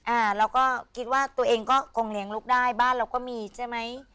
อ่าเราก็คิดว่าตัวเองก็คงเลี้ยงลูกได้บ้านเราก็มีใช่ไหม